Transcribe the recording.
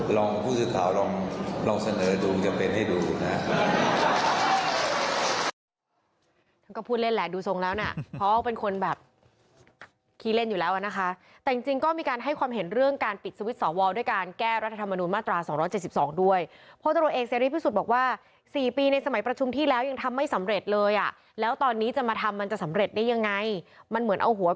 ลองพูดสื่อข่าวลองเสนอดูจำเป็นให้ดูนะฮะ